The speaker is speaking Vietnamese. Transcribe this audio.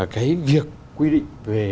cái việc quy định về